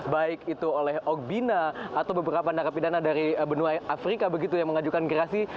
baik itu oleh obina atau beberapa narapidana dari benua afrika begitu yang mengajukan gerasi